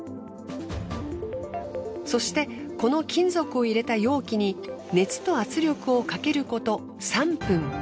そしてこの金属を入れた容器に熱と圧力をかけること３分。